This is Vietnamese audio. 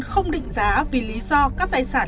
không định giá vì lý do các tài sản